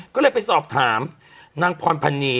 ก็เลยไปสอบถามนางพรพันนี